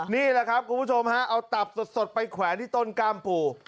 นี่แหละครับคุณผู้ชมฮะเอาตับสดไปแขวนที่ต้นกล้ามปู่